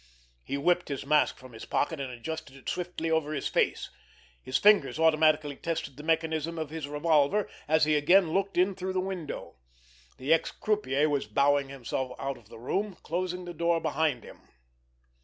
He whipped his mask from his pocket, and adjusted it swiftly over his face. His fingers automatically tested the mechanism of his revolver, as he again looked in through the window. The ex croupier was bowing himself out of the room, closing the door behind him.